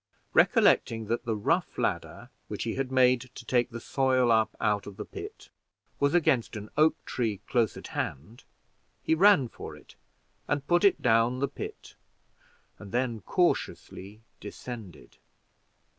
Recollecting that the rough ladder which he had made to take the soil up out of the pit was against an oak tree, close at hand, he ran for it, and put it down the pit, and then cautiously descended.